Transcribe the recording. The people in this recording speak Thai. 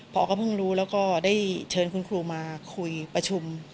พอก็เพิ่งรู้แล้วก็ได้เชิญคุณครูมาคุยประชุม